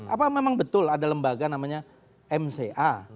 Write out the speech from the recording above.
apa memang betul ada lembaga namanya mca